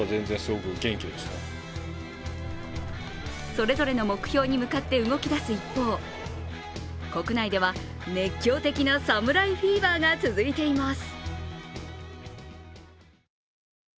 それぞれの目標に向かって動き出す一方、国内では熱狂的な侍フィーバーが続いています。